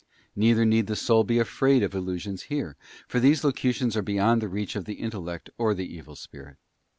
Neither need the soul be afraid of illusions here, for these locutions are beyond the reach of the intellect or the evil spirit.